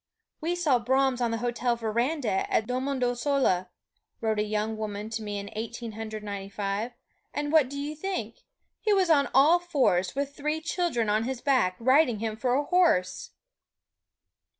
"We saw Brahms on the hotel veranda at Domodossola," wrote a young woman to me in Eighteen Hundred Ninety five, "and what do you think? he was on all fours, with three children on his back, riding him for a horse!"